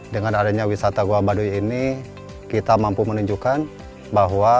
dengan adanya wisata goa baduy ini kita mampu menunjukkan bahwa